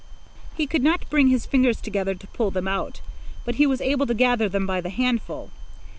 He could not bring his fingers together to pull them out, but he was able to gather them by the handful.